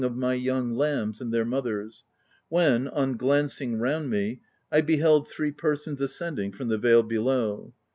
113 of my young lambs and their mothers, when, on glancing round me, I beheld three persons ascending from the vale below.